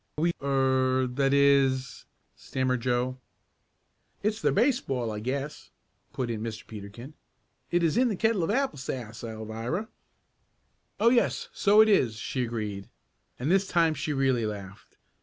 "We er that is " stammered Joe. "It's their baseball, I guess," put in Mr. Peterkin. "It is in the kettle of apple sass, Alvirah." "Oh, yes; so it is," she agreed, and this time she really laughed.